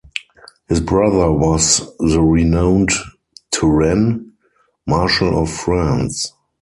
His brother was the renowned Turenne, Marshal of France.